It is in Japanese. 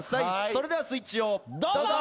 それではスイッチをどうぞ。